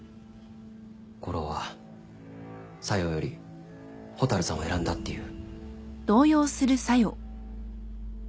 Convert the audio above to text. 悟郎は小夜より蛍さんを選んだっていう。